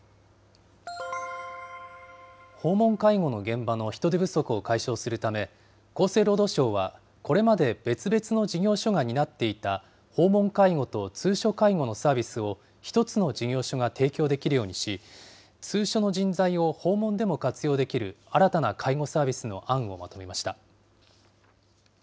訪問介護の現場の人手不足を解消するため、厚生労働省はこれまで別々の事業所が担っていた訪問介護と通所介護のサービスを１つの事業所が提供できるようにし、通所の人材を訪問でも活用できる新たな介護サービスの案をまとめました。